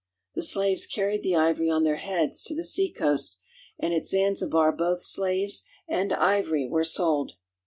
The slaves carried the ivory on their heads to the seacoast, and at Zanzibar both slaves and ivory were sold.